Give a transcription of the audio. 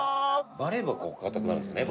バレー部はここ硬くなるんですよね。